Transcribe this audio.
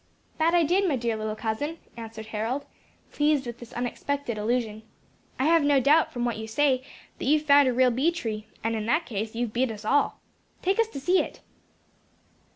"That I did, my dear little cousin," answered Harold, pleased with this unexpected allusion. "I have no doubt, from what you say, that you have found a real bee tree; and, in that case, you have beat us all. Take us to see it."